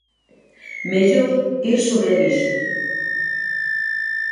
Mellor ir sobre aviso.